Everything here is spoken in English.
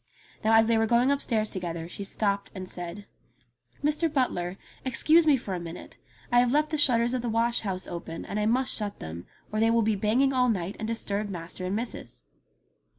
Now as they were going upstairs to gether she stopped and said : "Mr. Butler, excuse me for a minute. I have left the shutters of the wash house open, and I must shut them, or they will be banging all night and disturb master and missus